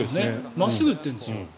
真っすぐを打ってるんですよ。